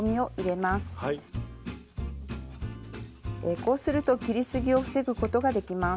こうすると切りすぎを防ぐことができます。